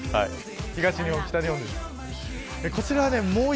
東日本、北日本です。